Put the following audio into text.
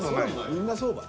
みんなそうばい。